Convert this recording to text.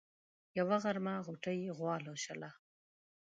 يوه غرمه غوټۍ غوا لوشله.